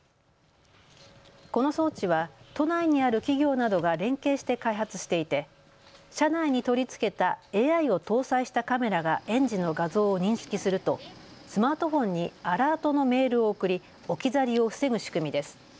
この装置は都内にある企業などが連携して開発していて車内に取り付けたＡＩを搭載したカメラが園児の画像を認識するとスマートフォンにアラートのメールを送り置き去りを防ぐ仕組みです。